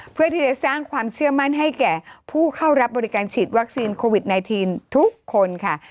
เพื่อที่จะสร้างความเชื่อมั่นให้แก่ผู้เข้ารับบริการฉีดวัคซีนโควิด๑๙ทุกคนค่ะ